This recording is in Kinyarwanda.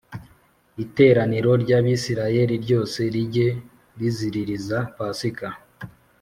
Iteraniro ry Abisirayeli ryose rijye riziririza Pasika